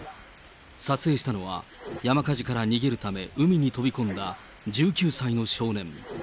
撮影したのは、山火事から逃げるため、海に飛び込んだ１９歳の少年。